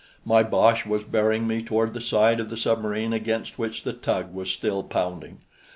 My boche was bearing me toward the side of the submarine against which the tug was still pounding.